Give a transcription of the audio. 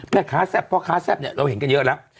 แซ่บพ่อค้าแซ่บเนี่ยเราเห็นกันเยอะแล้ว